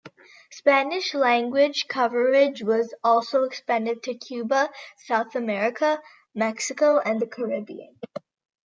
Spanish Language coverage was also expanded to Cuba, South America, Mexico and the Caribbean.